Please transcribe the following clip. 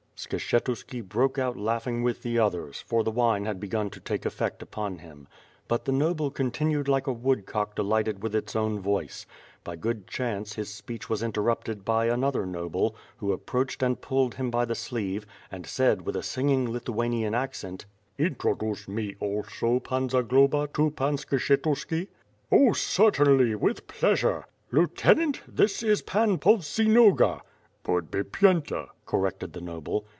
Skshetuski broke out laughing with the others, for the wine had begun to take effect upon him. But the noble continued like a woodcock delighted with its own voice. By s^ood chance his speech was interrupted by another noble, who approached and pulled him by the sleeve, and said with a singing Lithu anian accent: "Introduce me also, Pan Zagloba, to Pan Skshetuski.*' "Oh, certainly, with pleasure." "Lieutenant, this is Pan Povsinoga." "Podbipyenta," corrected the noble.